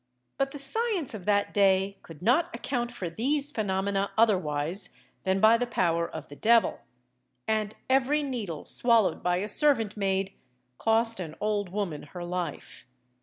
But the science of that day could not account for these phenomena otherwise than by the power of the devil; and every needle swallowed by a servant maid cost an old woman her life.